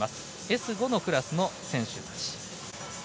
Ｓ５のクラスの選手たち。